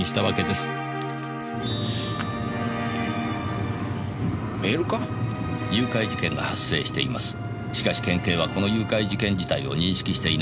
「しかし県警はこの誘拐事件自体を認識していないものと思われます」